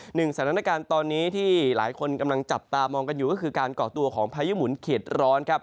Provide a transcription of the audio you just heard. หนึ่งสถานการณ์ตอนนี้ที่หลายคนกำลังจับตามองกันอยู่ก็คือการก่อตัวของพายุหมุนเขียดร้อนครับ